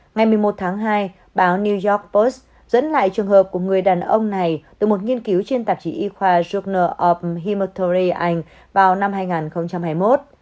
ngày một mươi một tháng hai báo new york post dẫn lại trường hợp của người đàn ông này từ một nghiên cứu trên tạp chí y khoa journal of hematology anh vào năm hai nghìn hai mươi một